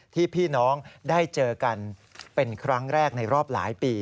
ที่พี่น้องได้เจอกันเป็นครั้งแรกในรอบหลายปี